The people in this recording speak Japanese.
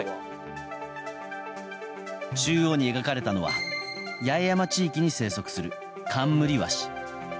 中央に描かれたのは八重山地域に生息するカンムリワシ。